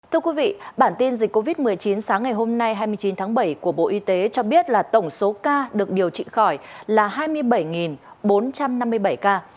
thưa quý vị bản tin dịch covid một mươi chín sáng ngày hôm nay hai mươi chín tháng bảy của bộ y tế cho biết là tổng số ca được điều trị khỏi là hai mươi bảy bốn trăm năm mươi bảy ca